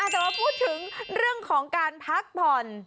แต่มาพูดถึงเรื่องของการพักพร